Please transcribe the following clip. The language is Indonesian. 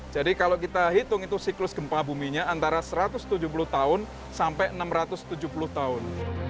jadi kalau kita hitung itu siklus gempa buminya antara satu ratus tujuh puluh tahun sampai enam ratus tujuh puluh tahun